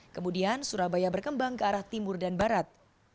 kemudian surabaya berkembang ke arah timur dan barat